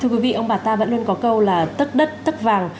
thưa quý vị ông bà ta vẫn luôn có câu là tất đất tất vàng